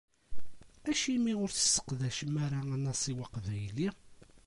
Acimi ur tesseqdacem ara anasiw aqbayli?